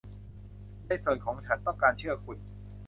ในส่วนของฉันต้องการเชื่อคุณ